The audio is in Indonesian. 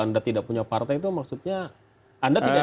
anda tidak punya partai itu maksudnya anda tidak